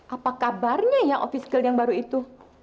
apa kabarnya ya office guild yang baru itu